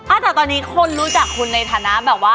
อ่ะแต่ตอนนี้คนรู้จักคุณในฐานะแบบว่า